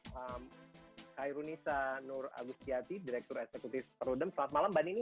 kak runeesah nur agustiati direktur eksekutif perudem selamat malam mbak nini